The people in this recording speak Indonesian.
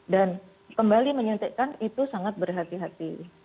dan kembali menyuntikkan itu sangat berhati hati